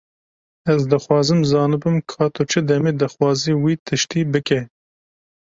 Ez dixwazim zanibim ka tu çi demê dixwazî wî tiştî bike.